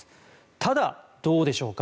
ただ、どうでしょうか。